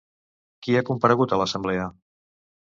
Qui ha comparegut a l'assemblea?